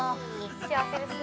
幸せですね。